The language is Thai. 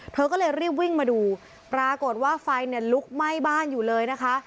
เธอก็เลยรีบวิ่งมาดูปรากฏว่าไฟเนี่ยลุกไหม้บ้านอยู่เลยนะคะ